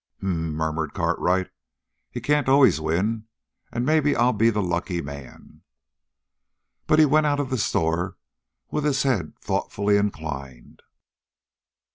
"H'm," murmured Cartwright. "He can't win always, and maybe I'll be the lucky man." But he went out of the store with his head thoughtfully inclined.